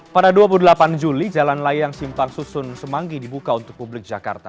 pada dua puluh delapan juli jalan layang simpang susun semanggi dibuka untuk publik jakarta